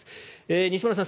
西村さん